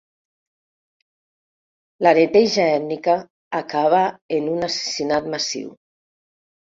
La neteja ètnica acaba en un assassinat massiu.